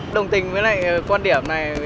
đồng tình với lại quan điểm này